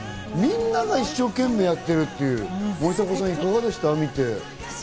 みんなが一生懸命やってるっていう森迫さん、いかがでした？